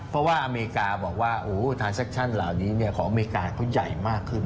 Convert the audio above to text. เพราะว่าอเมริกาบอกว่าทานเซคชั่นเหล่านี้ของอเมริกาเขาใหญ่มากขึ้น